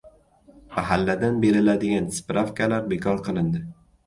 Mahalladan beriladigan «spravka»lar bekor qilindi